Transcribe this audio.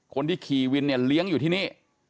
คนที่ขี่วินเนี่ยเลี้ยงอยู่ที่นี่